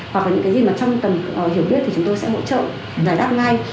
hoặc những cái gì mà trong cần hiểu biết thì chúng tôi sẽ hỗ trợ giải đáp ngay